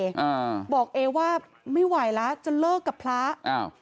อ่าบอกเอว่าไม่ไหวแล้วจะเลิกกับพระอ้าว